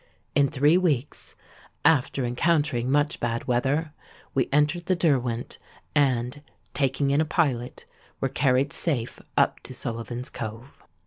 In three weeks,—after encountering much bad weather—we entered the Derwent; and, taking in a pilot, were carried safe up to Sullivan's Cove.